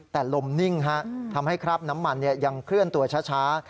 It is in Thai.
แต่ลมนิ่งทำให้คราบน้ำมันยังเคลื่อนตัวช้า